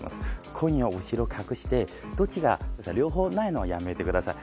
コインを後ろで隠してどっち両方ないのはやめてください。